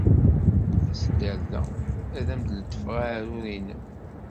As-d ɣer da. Ad am-letfeɣ aɛrur-nnem.